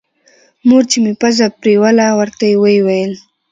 مور چې مې پزه پرېوله ورته ويې ويل.